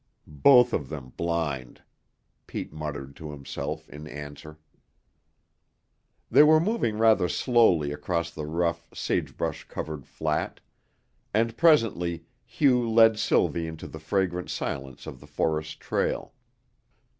"Both of them blind!" Pete muttered to himself in answer. They were moving rather slowly across the rough, sagebrush covered flat, and presently Hugh led Sylvie into the fragrant silence of the forest trail.